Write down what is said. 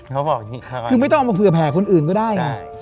ไม่ต้องเอามาเผื่อแผ่คนอื่นก็ได้